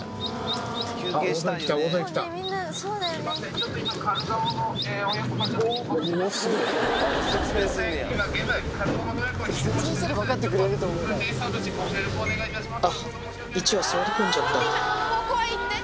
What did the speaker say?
ちょっと運転手さんたちご協力お願いいたします。